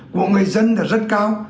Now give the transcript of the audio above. của người dân là rất cao